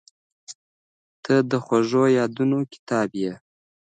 • ته د خوږو یادونو کتاب یې.